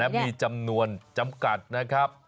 มีจำนวนจำกัดนะครับ